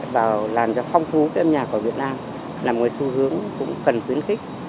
và làm cho phong phú cái âm nhạc của việt nam là một xu hướng cũng cần tuyến khích